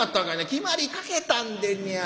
「決まりかけたんでんねや。